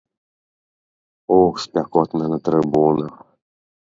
Ух, спякотна на трыбунах!